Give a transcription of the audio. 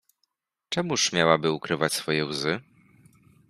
Czemuż miałaby ukrywać swoje łzy?